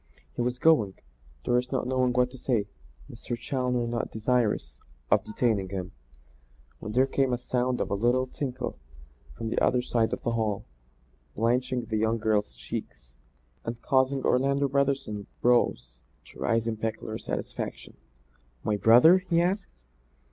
He was going, Doris not knowing what to say, Mr. Challoner not desirous of detaining him, when there came the sound of a little tinkle from the other side of the hall, blanching the young girl's cheeks and causing Orlando Brotherson's brows to rise in peculiar satisfaction. "My brother?" he asked.